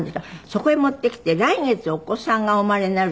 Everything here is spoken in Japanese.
そこへ持ってきて来月お子さんがお生まれになる。